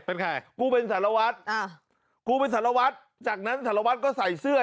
เป็นใครกูเป็นสารวัตรอ่ากูเป็นสารวัตรจากนั้นสารวัตรก็ใส่เสื้อ